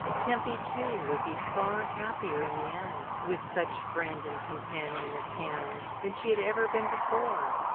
Tempy, too, would be far happier in the end with such friend and companion at hand, than she had ever been before.